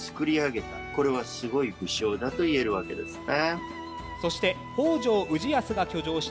これはすごい武将だと言えるわけですね。